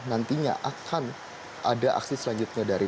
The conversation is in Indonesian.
nantinya akan ada aksi selanjutnya dari